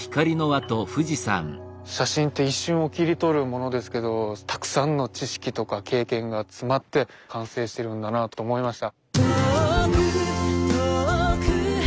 写真って一瞬を切り取るものですけどたくさんの知識とか経験が詰まって完成してるんだなと思いました。